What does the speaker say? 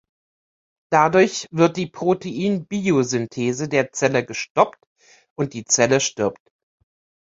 Dadurch wird die Proteinbiosynthese der Zelle gestoppt und die Zelle stirbt.